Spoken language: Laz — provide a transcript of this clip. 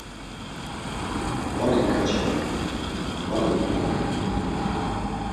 Var iǩaçert̆u muti, var imp̌lanert̆u.